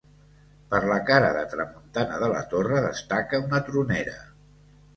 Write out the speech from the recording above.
Per la cara de tramuntana de la torre destaca una tronera.